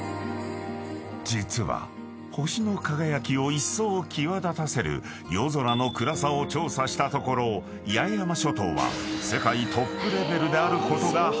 ［実は星の輝きをいっそう際立たせる夜空の暗さを調査したところ八重山諸島は世界トップレベルであることが判明］